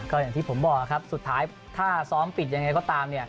ก็อย่างที่ผมบอกครับสุดท้ายถ้าซ้อมปิดยังไงก็ตามเนี่ย